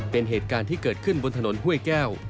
เป็นเหตุการณ์ที่เกิดขึ้นบนถนนห้วยแก้ว